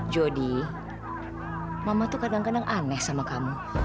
jody mama tuh kadang kadang aneh sama kamu